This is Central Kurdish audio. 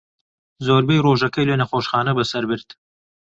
زۆربەی ڕۆژەکەی لە نەخۆشخانە بەسەر برد.